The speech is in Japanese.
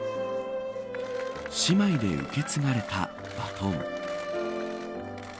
姉妹で受け継がれたバトン。